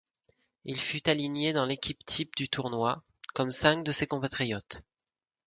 Il fut aligné dans l'équipe-type du tournoi, comme cinq de ses compatriotes.